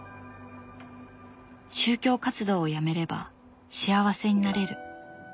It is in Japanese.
「宗教活動をやめれば幸せになれる」。